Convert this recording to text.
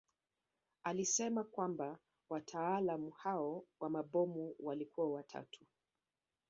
Alisema kwamba wataalamu hao wa mabomu walikuwa watatu